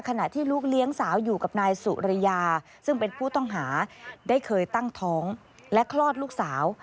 ขณะที่ลูกเลี้ยงสาวอยู่กับนายสุริยาซึ่งเป็นผู้ต้องหาได้เคยตั้งท้องและคลอดลูกสาว